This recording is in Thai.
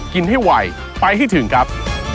กินให้ไวไปให้ถึงครับ